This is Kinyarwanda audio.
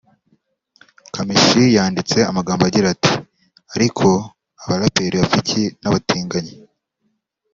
Kamichi yanditse amagambo agira ati “Ariko aba rapeurs bapfa iki n’abatinganyi